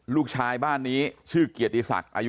ลูกชายบ้านนี้ชื่อเกียรติสัตว์